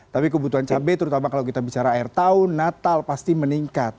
tapi kebutuhan cabai terutama kalau kita bicara air tahun natal pasti meningkat